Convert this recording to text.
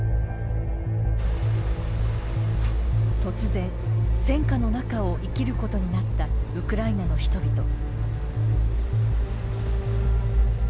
突然、戦火の中を生きることになったウクライナの人々。